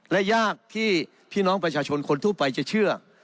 และยากที่พี่น้องประชาชนคนทั่วไปจะเชื่อ